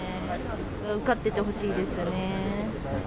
受かっててほしいですね。